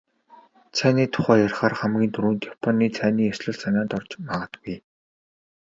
Цайны тухай ярихаар хамгийн түрүүнд "Японы цайны ёслол" санаанд орж магадгүй.